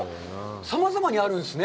さまざまにあるんですね。